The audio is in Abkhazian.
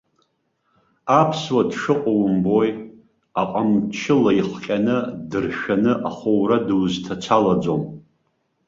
Аԥсуа дшыҟоу, умбои, аҟамчы лаихҟьаны, дыршәаны ахәура дузҭацалаӡом.